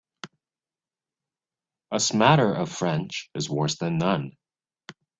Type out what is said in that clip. A smatter of French is worse than none.